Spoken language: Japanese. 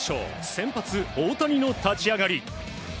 先発、大谷の立ち上がり。